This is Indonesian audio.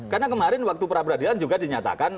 karena kemarin waktu peradilan juga dinyatakan